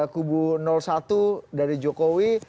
kubu satu dari jokowi